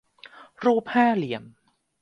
รูปห้าเหลี่ยม